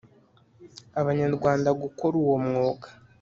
Abanyarwanda gukora uwo mwuga